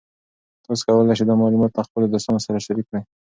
تاسو کولی شئ دا معلومات له خپلو دوستانو سره شریک کړئ.